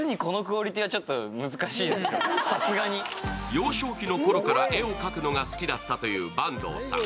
幼少期のころから絵を描くのが好きだったという坂東さん。